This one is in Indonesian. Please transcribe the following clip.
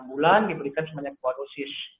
enam bulan diberikan sebanyak dua dosis